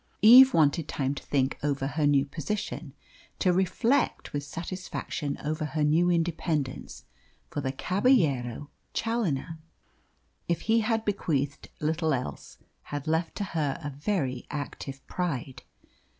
Eve wanted time to think over her new position, to reflect with satisfaction over her new independence, for the Caballero Challoner, if he had bequeathed little else, had left to her a very active pride.